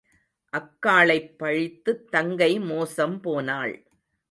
அக்காளைப் பழித்துத் தங்கை மோசம் போனாள்.